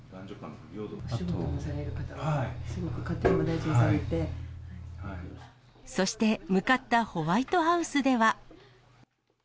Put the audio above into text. お仕事もされる方で、すごくそして、向かったホワイトハウスでは。